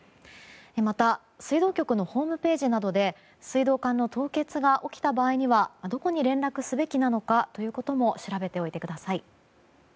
また水道局のホームページなどで水道管の凍結が起きた場合には、どこに連絡をすべきかということも調べておいてください。